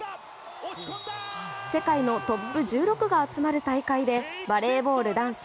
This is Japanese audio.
世界のトップ１６が集まる大会でバレーボール男子